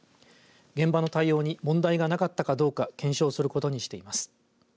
現場の対応に問題がなかったかどうか検証することにしています。